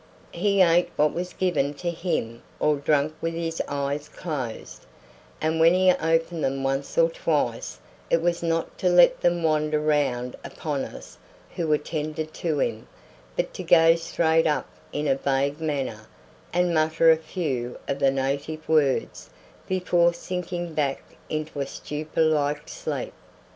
He ate what was given to him or drank with his eyes closed, and when he opened them once or twice it was not to let them wander round upon us who attended to him, but to gaze straight up in a vague manner and mutter a few of the native words before sinking back into a stupor like sleep.